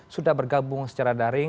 sudah bergabung secara daring